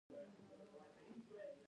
ټول حیران شول چې سوربګی هم شاعر دی